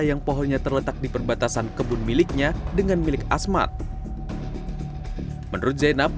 yang pohonnya terletak di perbatasan kebun miliknya dengan milik asmat menurut zainab